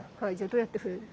どうやって増える？